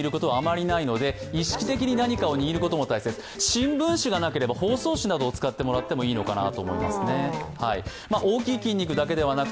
新聞紙がなければ包装紙などを使ってもらってもいいかと思います。